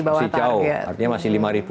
artinya masih lima